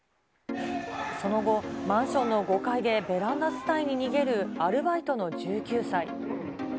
その後、マンションの５階でベランダ伝いに逃げるアルバイトの１９歳。